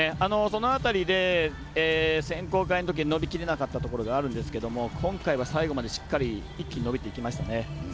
その辺りで選考会のとき伸びきれなかったことがあるんですけど今回は最後までしっかり一気に伸びていきましたね。